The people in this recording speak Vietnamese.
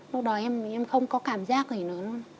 lúc đó em không có cảm giác gì nữa